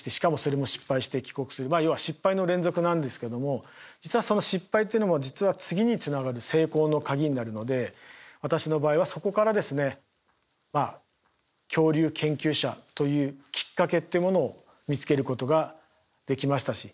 まあ要は失敗の連続なんですけども実はその失敗というのも実は次につながる成功の鍵になるので私の場合はそこからですね恐竜研究者というきっかけっていうものを見つけることができましたし。